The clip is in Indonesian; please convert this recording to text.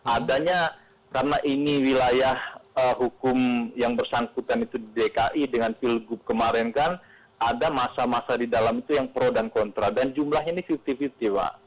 adanya karena ini wilayah hukum yang bersangkutan itu di dki dengan pilgub kemarin kan ada masa masa di dalam itu yang pro dan kontra dan jumlahnya lima puluh lima puluh pak